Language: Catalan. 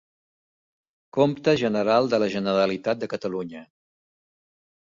Compte general de la Generalitat de Catalunya.